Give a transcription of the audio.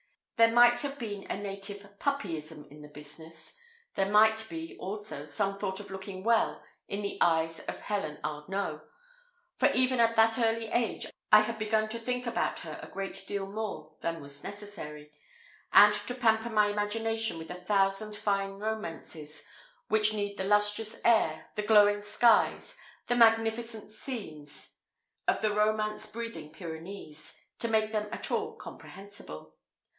There might be a little native puppyism in the business; there might be, also, some thought of looking well in the eyes of Helen Arnault, for even at that early age I had begun to think about her a great deal more than was necessary; and to pamper my imagination with a thousand fine romances which need the lustrous air, the glowing skies, the magnificent scenes, of the romance breathing Pyrenees, to make them at all comprehensible.